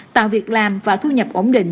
tạo việc làm và thu nhập ổn định